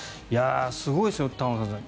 すごいですよ、玉川さん。